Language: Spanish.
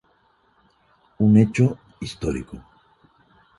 Un hecho histórico.